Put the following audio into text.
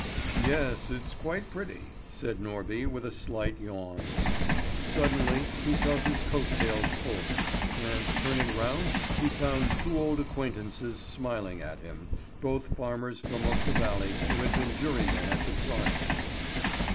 "Yes, it's quite pretty," said Norby, with a slight yawn. Suddenly he felt his coat tails pulled, and turning round he found two old acquaintances smiling at him, both farmers from up the valley, who had been jurymen at the trial.